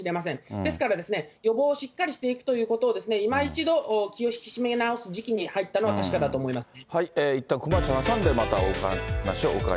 ですから、予防をしっかりしていくということを、今一度、気を引き締め直す時期に入ったのは確かだと思いますね。